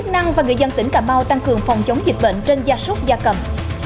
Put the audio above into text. công an và người dân tỉnh cà mau tăng cường phòng chống dịch bệnh trên gia sốt gia cầm